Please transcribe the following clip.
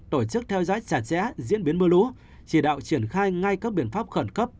tổ chức theo dõi chặt chẽ diễn biến mưa lũ chỉ đạo triển khai ngay các biện pháp khẩn cấp